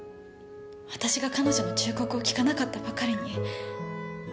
私が彼女の忠告を聞かなかったばかりに。